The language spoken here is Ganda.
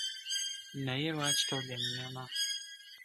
Naye lwaki tolya nyama?